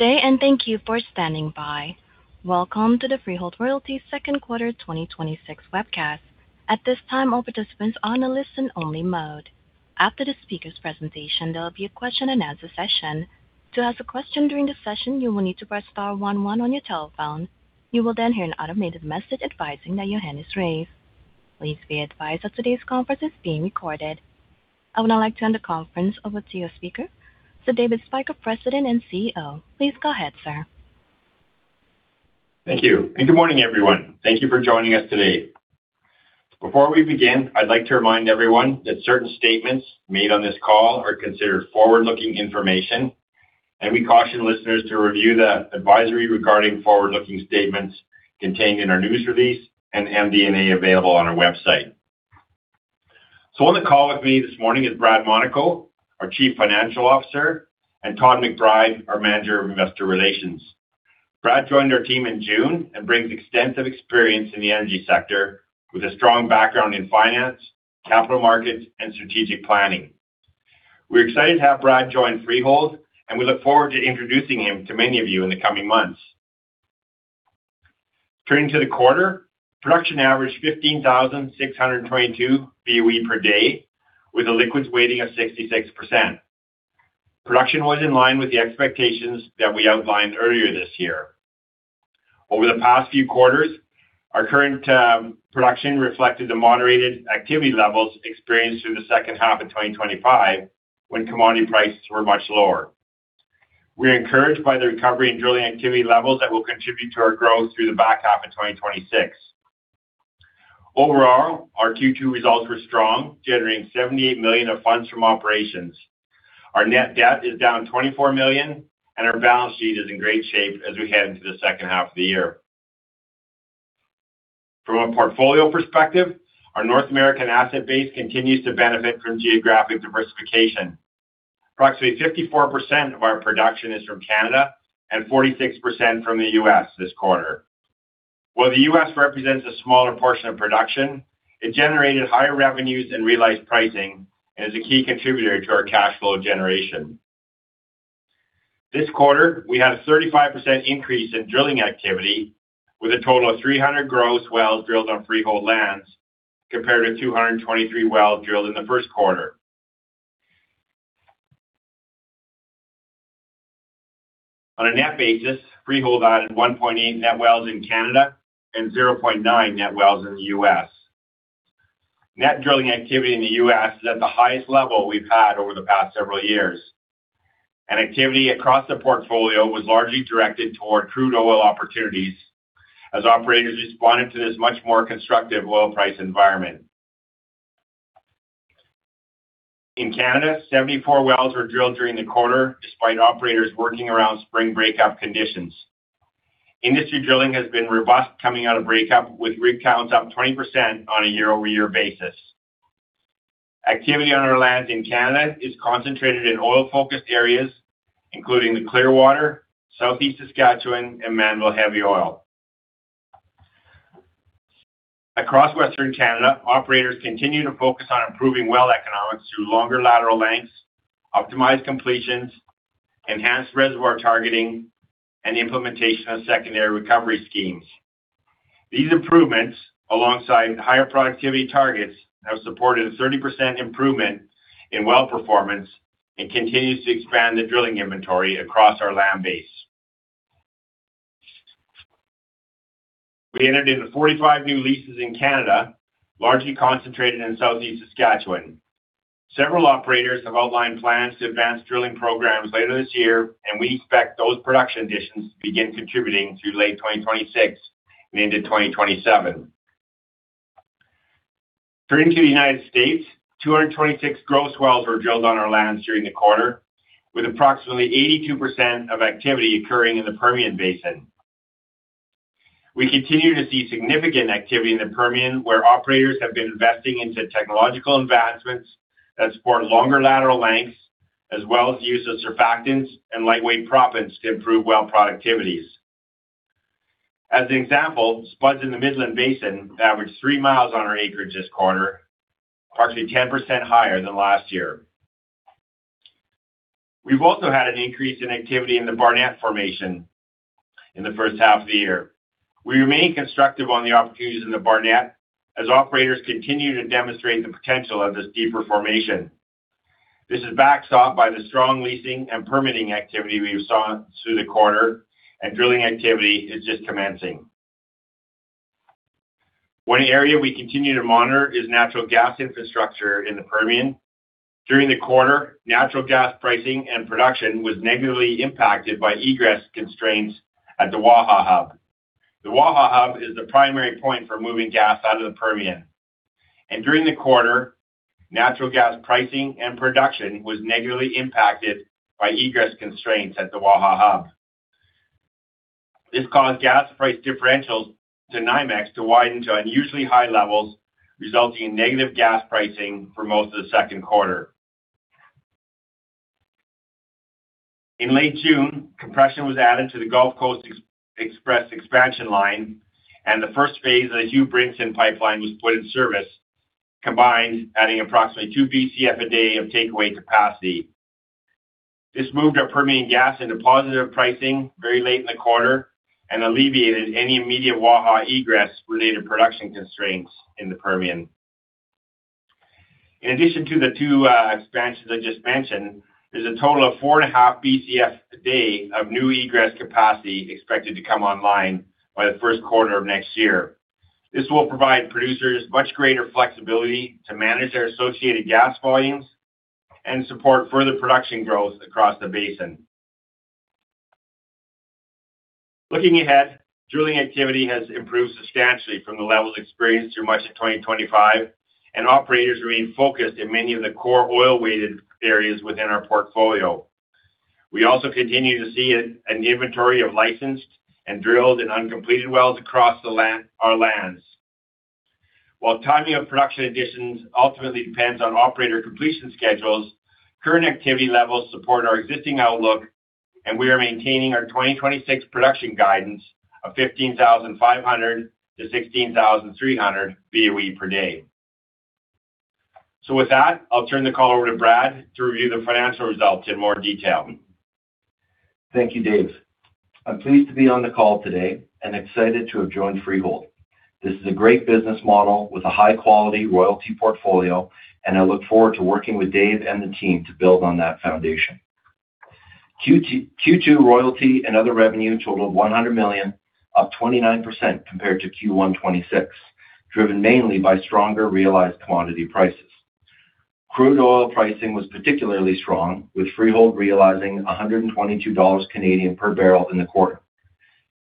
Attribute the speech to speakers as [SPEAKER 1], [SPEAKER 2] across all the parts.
[SPEAKER 1] Today, thank you for standing by. Welcome to the Freehold Royalties second quarter 2026 webcast. At this time, all participants are on a listen only mode. After the speaker's presentation, there will be a question and answer session. To ask a question during the session, you will need to press star one one on your telephone. You will then hear an automated message advising that your hand is raised. Please be advised that today's conference is being recorded. I would now like to hand the conference over to your speaker, David Spyker, President and CEO. Please go ahead, sir.
[SPEAKER 2] Thank you, good morning, everyone. Thank you for joining us today. Before we begin, I'd like to remind everyone that certain statements made on this call are considered forward-looking information, and we caution listeners to review the advisory regarding forward-looking statements contained in our news release and MD&A available on our website. On the call with me this morning is Brad Monaco, our Chief Financial Officer, and Todd McBride, our Manager of Investor Relations. Brad joined our team in June and brings extensive experience in the energy sector with a strong background in finance, capital markets, and strategic planning. We're excited to have Brad join Freehold, and we look forward to introducing him to many of you in the coming months. Turning to the quarter, production averaged 15,622 BOE per day with a liquids weighting of 66%. Production was in line with the expectations that we outlined earlier this year. Over the past few quarters, our current production reflected the moderated activity levels experienced through the second half of 2025 when commodity prices were much lower. We're encouraged by the recovery in drilling activity levels that will contribute to our growth through the back half of 2026. Overall, our Q2 results were strong, generating 78 million of funds from operations. Our net debt is down 24 million, and our balance sheet is in great shape as we head into the second half of the year. From a portfolio perspective, our North American asset base continues to benefit from geographic diversification. Approximately 54% of our production is from Canada and 46% from the U.S. this quarter. While the U.S. represents a smaller portion of production, it generated higher revenues and realized pricing and is a key contributor to our cash flow generation. This quarter, we had a 35% increase in drilling activity with a total of 300 gross wells drilled on Freehold lands, compared to 223 wells drilled in the first quarter. On a net basis, Freehold added 1.8 net wells in Canada and 0.9 net wells in the U.S. Net drilling activity in the U.S. is at the highest level we've had over the past several years. Activity across the portfolio was largely directed toward crude oil opportunities as operators responded to this much more constructive oil price environment. In Canada, 74 wells were drilled during the quarter despite operators working around spring breakup conditions. Industry drilling has been robust coming out of breakup, with rig counts up 20% on a year-over-year basis. Activity on our land in Canada is concentrated in oil-focused areas, including the Clearwater, Southeast Saskatchewan, and Mannville heavy oil. Across Western Canada, operators continue to focus on improving well economics through longer lateral lengths, optimized completions, enhanced reservoir targeting, and the implementation of secondary recovery schemes. These improvements, alongside higher productivity targets, have supported a 30% improvement in well performance and continues to expand the drilling inventory across our land base. We entered into 45 new leases in Canada, largely concentrated in southeast Saskatchewan. Several operators have outlined plans to advance drilling programs later this year, and we expect those production additions to begin contributing through late 2026 and into 2027. Turning to the United States, 226 gross wells were drilled on our lands during the quarter, with approximately 82% of activity occurring in the Permian Basin. We continue to see significant activity in the Permian, where operators have been investing into technological advancements that support longer lateral lengths, as well as use of surfactants and lightweight proppants to improve well productivities. As an example, spuds in the Midland Basin averaged three miles on our acreage this quarter, approximately 10% higher than last year. We've also had an increase in activity in the Barnett Formation in the first half of the year. We remain constructive on the opportunities in the Barnett as operators continue to demonstrate the potential of this deeper formation. This is backed up by the strong leasing and permitting activity we saw through the quarter, and drilling activity is just commencing. One area we continue to monitor is natural gas infrastructure in the Permian. During the quarter, natural gas pricing and production was negatively impacted by egress constraints at the Waha Hub. The Waha Hub is the primary point for moving gas out of the Permian. During the quarter, natural gas pricing and production was negatively impacted by egress constraints at the Waha Hub. This caused gas price differentials to NYMEX to widen to unusually high levels, resulting in negative gas pricing for most of the second quarter. In late June, compression was added to the Gulf Coast Express expansion line, and the first phase of the Hugh Brinson Pipeline was put in service. Combined, adding approximately 2 Bcf a day of takeaway capacity. This moved our Permian gas into positive pricing very late in the quarter and alleviated any immediate Waha egress-related production constraints in the Permian. In addition to the two expansions I just mentioned, there's a total of 4.5 Bcf a day of new egress capacity expected to come online by the first quarter of next year. This will provide producers much greater flexibility to manage their associated gas volumes and support further production growth across the basin. Looking ahead, drilling activity has improved substantially from the levels experienced through much of 2025. Operators remain focused in many of the core oil-weighted areas within our portfolio. We also continue to see an inventory of licensed and drilled and uncompleted wells across our lands. While timing of production additions ultimately depends on operator completion schedules, current activity levels support our existing outlook, and we are maintaining our 2026 production guidance of 15,500 to 16,300 BOE per day. With that, I'll turn the call over to Brad to review the financial results in more detail.
[SPEAKER 3] Thank you, Dave. I'm pleased to be on the call today and excited to have joined Freehold. This is a great business model with a high-quality royalty portfolio, and I look forward to working with Dave and the team to build on that foundation. Q2 royalty and other revenue totaled 100 million, up 29% compared to Q1 2026, driven mainly by stronger realized commodity prices. Crude oil pricing was particularly strong, with Freehold realizing 122 Canadian dollars per barrel in the quarter.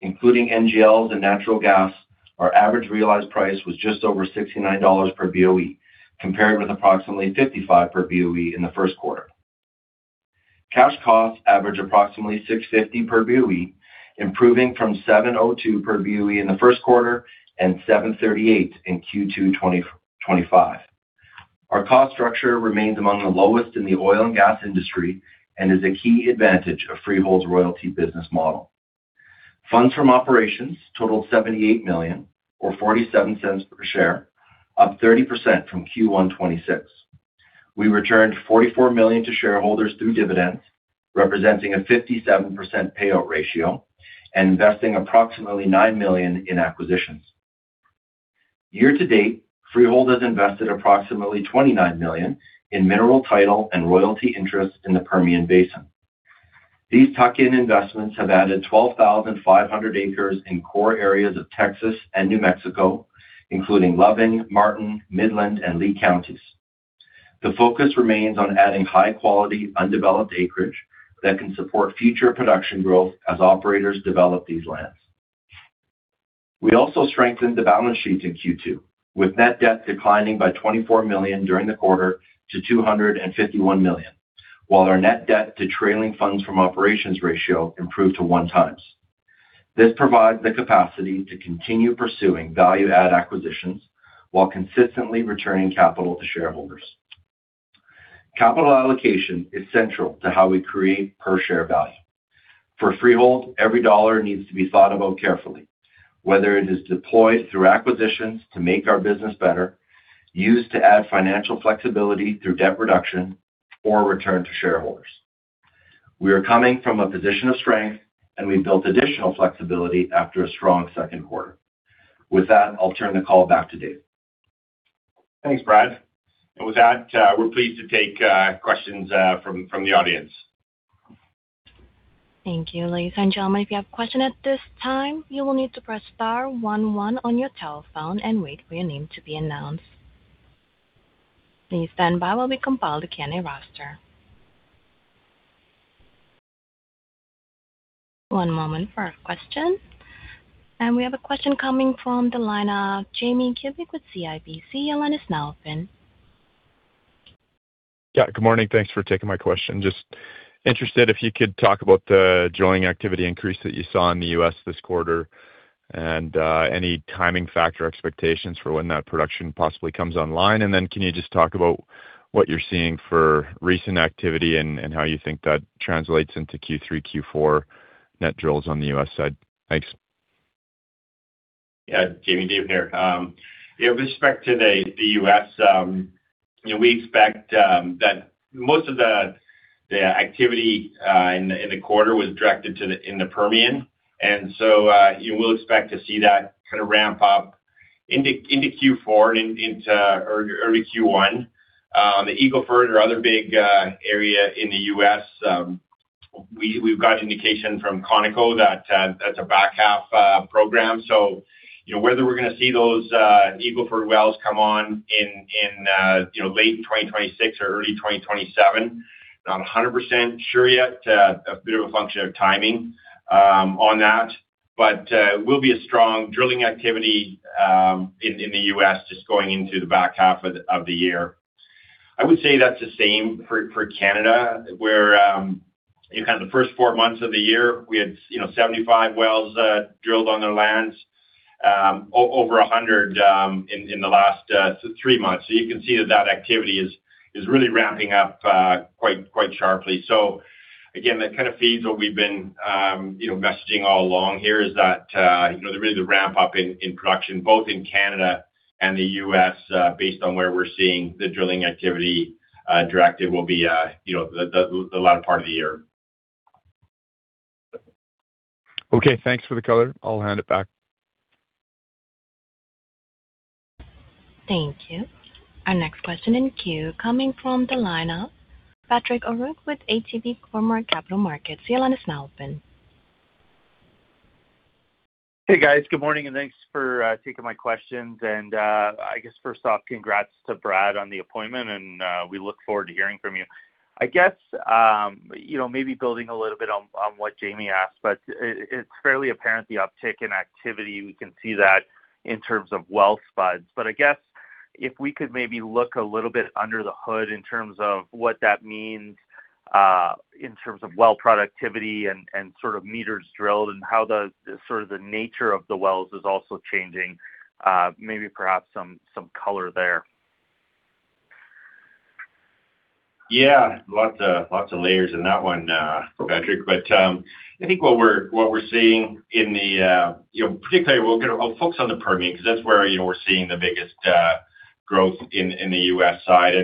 [SPEAKER 3] Including NGLs and natural gas, our average realized price was just over 69 dollars per BOE, compared with approximately 55 per BOE in the first quarter. Cash costs average approximately 6.50 per BOE, improving from 7.02 per BOE in the first quarter and 7.38 in Q2 2025. Our cost structure remains among the lowest in the oil and gas industry and is a key advantage of Freehold's royalty business model. Funds from operations totaled 78 million, or 0.47 per share, up 30% from Q1 2026. We returned 44 million to shareholders through dividends, representing a 57% payout ratio and investing approximately 9 million in acquisitions. Year-to-date, Freehold has invested approximately 29 million in mineral title and royalty interest in the Permian Basin. These tuck-in investments have added 12,500 acres in core areas of Texas and New Mexico, including Loving, Martin, Midland, and Lee counties. The focus remains on adding high-quality, undeveloped acreage that can support future production growth as operators develop these lands. We also strengthened the balance sheet in Q2, with net debt declining by 24 million during the quarter to 251 million, while our net debt to trailing funds from operations ratio improved to 1x. This provides the capacity to continue pursuing value-add acquisitions while consistently returning capital to shareholders. Capital allocation is central to how we create per-share value. For Freehold, every dollar needs to be thought about carefully, whether it is deployed through acquisitions to make our business better, used to add financial flexibility through debt reduction, or returned to shareholders. We are coming from a position of strength, and we built additional flexibility after a strong second quarter. With that, I'll turn the call back to Dave.
[SPEAKER 2] Thanks, Brad. With that, we're pleased to take questions from the audience.
[SPEAKER 1] Thank you. Ladies and gentlemen, if you have a question at this time, you will need to press star one one on your telephone and wait for your name to be announced. Please stand by while we compile the Q&A roster. One moment for a question. We have a question coming from the line of Jamie Kubik with CIBC. Your line is now open.
[SPEAKER 4] Yeah. Good morning. Thanks for taking my question. Just interested if you could talk about the drilling activity increase that you saw in the U.S. this quarter and any timing factor expectations for when that production possibly comes online. Then can you just talk about what you're seeing for recent activity and how you think that translates into Q3, Q4 net drills on the U.S. side? Thanks.
[SPEAKER 2] Yeah. Jamie, Dave here. With respect to the U.S., we expect that most of the activity in the quarter was directed in the Permian. You will expect to see that kind of ramp up into Q4, into early Q1. The Eagle Ford, our other big area in the U.S., we've got indication from ConocoPhillips that that's a back half program. Whether we're going to see those Eagle Ford wells come on in late 2026 or early 2027, not 100% sure yet. A bit of a function of timing on that. Will be a strong drilling activity in the U.S. just going into the back half of the year. I would say that's the same for Canada, where you had the first four months of the year, we had 75 wells drilled on their lands. Over 100 in the last three months. You can see that that activity is really ramping up quite sharply. Again, that kind of feeds what we've been messaging all along here, is that really the ramp up in production, both in Canada and the U.S., based on where we're seeing the drilling activity directed, will be the latter part of the year.
[SPEAKER 4] Okay, thanks for the color. I'll hand it back.
[SPEAKER 1] Thank you. Our next question in queue, coming from the line of Patrick O'Rourke with ATB Cormark Capital Markets. Your line is now open.
[SPEAKER 5] Hey, guys. Good morning, and thanks for taking my questions. I guess first off, congrats to Brad on the appointment, and we look forward to hearing from you. I guess, maybe building a little bit on what Jamie asked, it's fairly apparent the uptick in activity, we can see that in terms of well spuds. I guess, if we could maybe look a little bit under the hood in terms of what that means, in terms of well productivity and meters drilled, and how the nature of the wells is also changing. Maybe perhaps some color there.
[SPEAKER 2] Yeah. Lots of layers in that one, Patrick. I think what we're seeing particularly, we'll focus on the Permian, because that's where we're seeing the biggest growth in the U.S. side.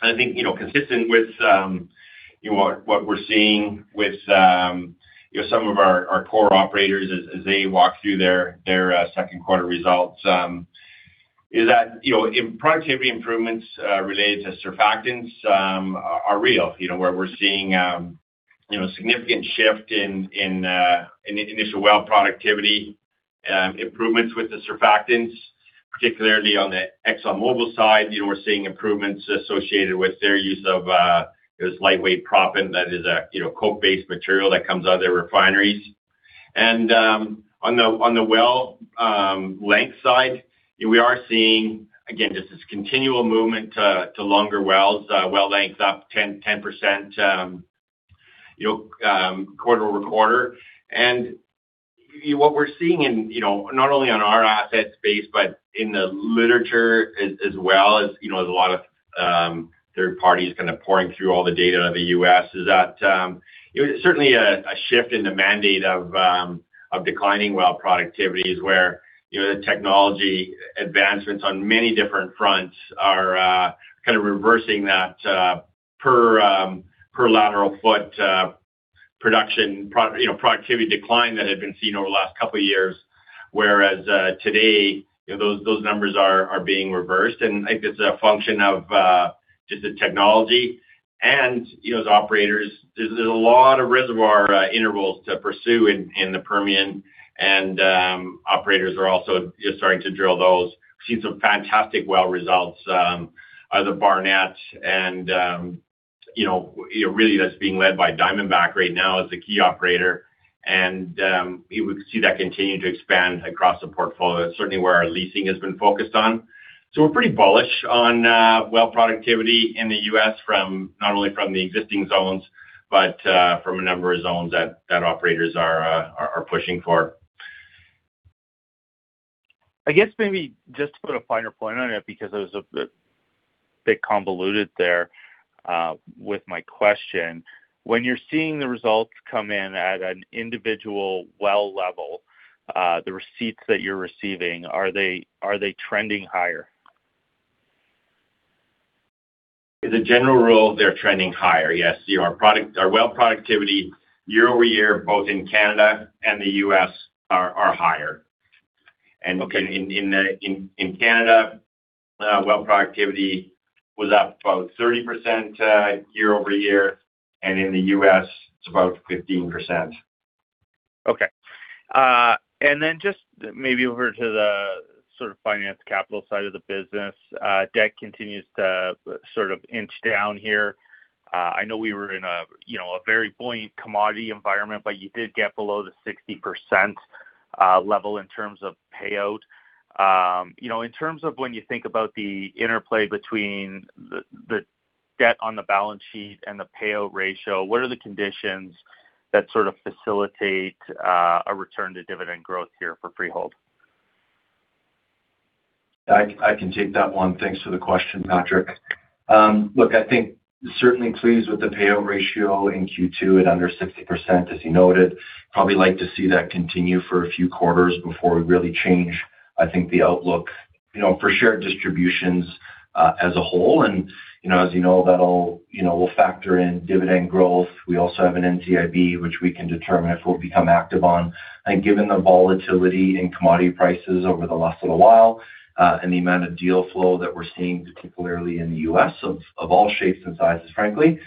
[SPEAKER 2] I think, consistent with what we're seeing with some of our core operators as they walk through their second quarter results, is that in productivity improvements related to surfactants are real, where we're seeing a significant shift in initial well productivity improvements with the surfactants, particularly on the ExxonMobil side. We're seeing improvements associated with their use of this lightweight proppant that is a coke-based material that comes out of their refineries. On the well length side, we are seeing, again, just this continual movement to longer wells. Well length up 10% quarter-over-quarter. What we're seeing not only on our asset space, but in the literature as well as a lot of third parties kind of poring through all the data of the U.S., is that certainly a shift in the mandate of declining well productivity is where the technology advancements on many different fronts are kind of reversing that per lateral foot production productivity decline that had been seen over the last couple of years. Whereas today, those numbers are being reversed, and I think it's a function of just the technology, and as operators, there's a lot of reservoir intervals to pursue in the Permian, and operators are also starting to drill those. We've seen some fantastic well results out of the Barnett, and really that's being led by Diamondback right now as the key operator. We see that continuing to expand across the portfolio. It's certainly where our leasing has been focused on. We're pretty bullish on well productivity in the U.S., not only from the existing zones, but from a number of zones that operators are pushing for.
[SPEAKER 5] I guess maybe just to put a finer point on it, because it was a bit convoluted there with my question. When you're seeing the results come in at an individual well level, the receipts that you're receiving, are they trending higher?
[SPEAKER 2] As a general rule, they're trending higher, yes. Our well productivity year-over-year, both in Canada and the U.S., are higher. Look, in Canada, well productivity was up about 30% year-over-year, and in the U.S., it's about 15%.
[SPEAKER 5] Okay. Just maybe over to the sort of finance capital side of the business. Debt continues to sort of inch down here. I know we were in a very buoyant commodity environment, you did get below the 60% level in terms of payout. In terms of when you think about the interplay between the debt on the balance sheet and the payout ratio, what are the conditions that sort of facilitate a return to dividend growth here for Freehold?
[SPEAKER 3] I can take that one. Thanks for the question, Patrick. Look, I think certainly pleased with the payout ratio in Q2 at under 60%, as you noted. Probably like to see that continue for a few quarters before we really change, I think, the outlook for share distributions as a whole. As you know, we'll factor in dividend growth. We also have an NCIB, which we can determine if we'll become active on. I think given the volatility in commodity prices over the last little while, and the amount of deal flow that we're seeing, particularly in the U.S., of all shapes and sizes, frankly,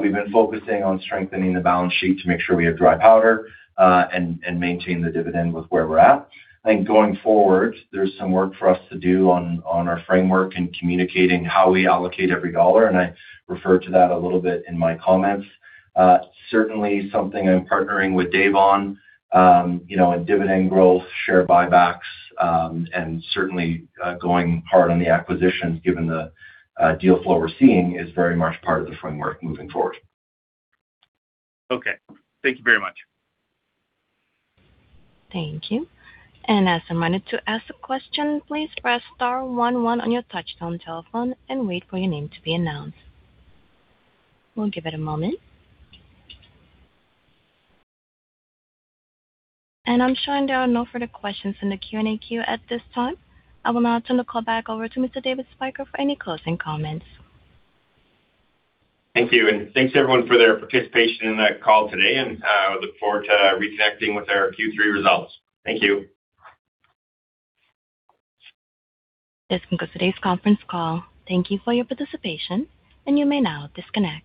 [SPEAKER 3] we've been focusing on strengthening the balance sheet to make sure we have dry powder and maintain the dividend with where we're at. I think going forward, there's some work for us to do on our framework and communicating how we allocate every dollar, I referred to that a little bit in my comments. Certainly, something I'm partnering with Dave on, in dividend growth, share buybacks, and certainly, going hard on the acquisitions given the deal flow we're seeing is very much part of the framework moving forward.
[SPEAKER 5] Okay. Thank you very much.
[SPEAKER 1] Thank you. As I'm reminded to ask a question, please press star one one on your touch-tone telephone and wait for your name to be announced. We'll give it a moment. I'm showing there are no further questions in the Q&A queue at this time. I will now turn the call back over to Mr. David Spyker for any closing comments.
[SPEAKER 2] Thank you, and thanks everyone for their participation in that call today, and I look forward to reconnecting with our Q3 results. Thank you.
[SPEAKER 1] This concludes today's conference call. Thank you for your participation, and you may now disconnect.